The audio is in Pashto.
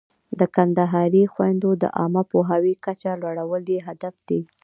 د کندهاري خویندو د عامه پوهاوي کچه لوړول یې هدف دی.